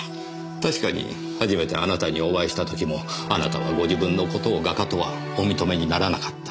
確かに初めてあなたにお会いしたときもあなたはご自分のことを画家とはお認めにならなかった。